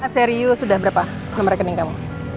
serio sudah berapa nomor rekening kamu